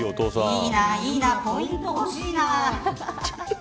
いいな、いいなポイント欲しいな。